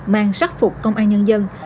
mang sắc phục công an nhân dân